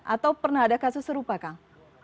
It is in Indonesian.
atau pernah ada kasus serupa kang